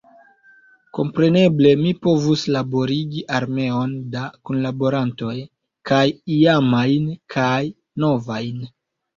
Kompreneble mi povus laborigi armeon da kunlaborantoj, kaj iamajn kaj novajn.